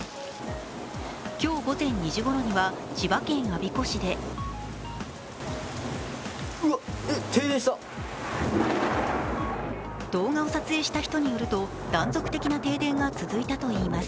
今日午前２時ごろには千葉県我孫子市で動画を撮影した人によると断続的な停電が続いたといいます。